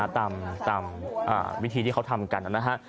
ตามวิธีที่เขาทำกันนะฮะ